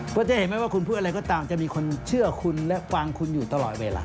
เพราะจะเห็นไหมว่าคุณพูดอะไรก็ตามจะมีคนเชื่อคุณและฟังคุณอยู่ตลอดเวลา